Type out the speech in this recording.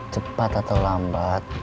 cepat atau lambat